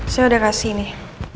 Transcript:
saya udah kasih nih